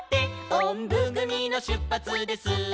「おんぶぐみのしゅっぱつです」